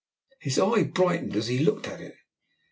His eye brightened as he looked at it.